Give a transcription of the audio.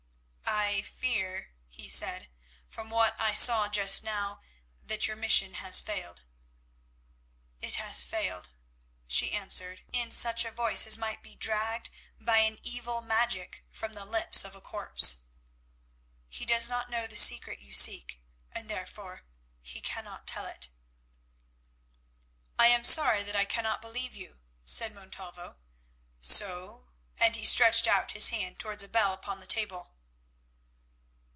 "I fear," he said, "from what I saw just now, that your mission has failed." "It has failed," she answered in such a voice as might be dragged by an evil magic from the lips of a corpse. "He does not know the secret you seek, and, therefore, he cannot tell it." "I am sorry that I cannot believe you," said Montalvo, "so"—and he stretched out his hand towards a bell upon the table.